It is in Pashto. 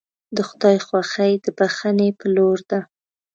د خدای خوښي د بښنې په لور ده.